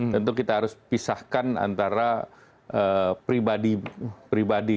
tentu kita harus pisahkan antara pribadi pribadi